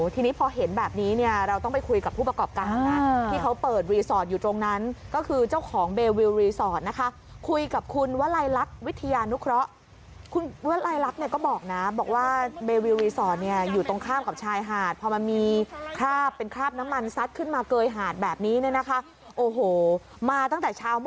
ที่นี่พอเห็นแบบนี้เนี่ยเราต้องไปคุยกับผู้ประกอบกลาง